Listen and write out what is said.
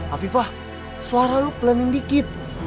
afifah suara lu pelanin dikit